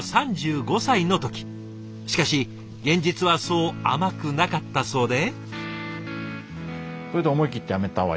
しかし現実はそう甘くなかったそうで。